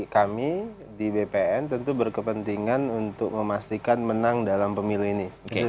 kami di bpn tentu berkepentingan untuk memastikan menang dalam pemilu ini